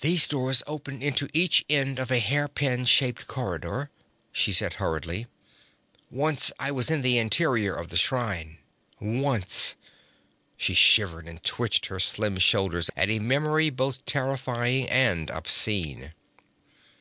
'Those doors open into each end of a hair pin shaped corridor,' she said hurriedly. 'Once I was in the interior of the shrine once!' She shivered and twitched her slim shoulders at a memory both terrifying and obscene.